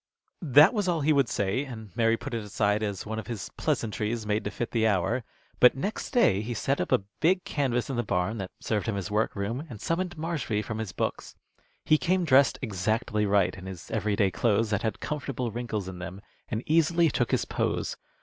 That was all he would say, and Mary put it aside as one of his pleasantries made to fit the hour. But next day he set up a big canvas in the barn that served him as workroom, and summoned Marshby from his books. He came dressed exactly right, in his every day clothes that had comfortable wrinkles in them, and easily took his pose.